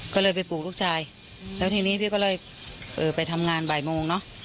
ก็เลยไปปลูกลูกชายแล้วทีนี้พี่ก็เลยเออไปทำงานบ่ายโมงเนอะ